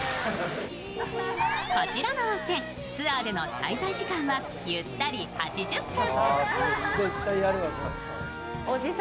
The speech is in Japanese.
こちらの温泉、ツアーでの滞在時間はゆったり８０分。